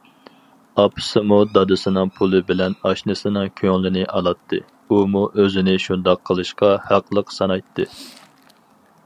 ئاپىسىمۇ دادىسىنىڭ پۇلى بىلەن ئاشنىسىنىڭ كۆڭلىنى ئالاتتى، ئۇمۇ ئۆزىنى شۇنداق قىلىشقا ھەقلىق سانايتتى.